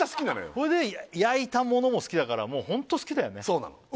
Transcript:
それで焼いたものも好きだからもうホント好きだよね